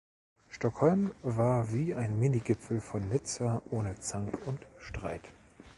Stockholm war wie ein Mini-Gipfel von Nizza ohne Zank und Streit.